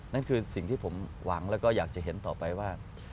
นั่นคือสิ่งที่ผมหวังแล้วก็อยากจะเห็นต่อไปว่า